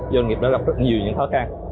doanh nghiệp đã gặp rất nhiều những khó khăn